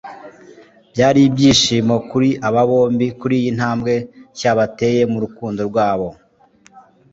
Byari ibyishimo kuri aba bombi kuri iyi ntambwe nshya bateye mu rukundo rwabo/ Foto